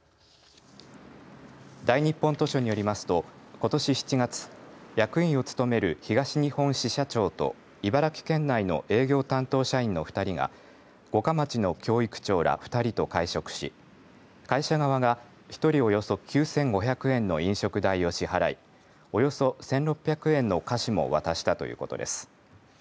大日本図書によりますとことし７月、役員を務める東日本支社長と茨城県内の営業担当社員の２人が五霞町の教育長ら２人と会食し会社側が１人およそ９５００円の飲食代を支払いおよそ１６００円の菓子も渡したということです。